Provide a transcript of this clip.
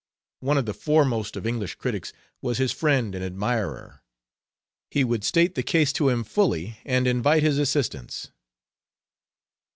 One of the foremost of English critics was his friend and admirer; he would state the case to him fully and invite his assistance.